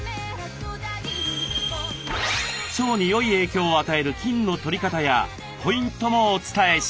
腸によい影響を与える菌のとり方やポイントもお伝えします。